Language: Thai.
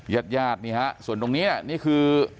ญาติญาตินี่ฮะส่วนตรงนี้นี่คือ